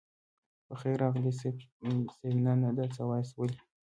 په خير راغلئ صيب نه نه دا څه واياست ولې.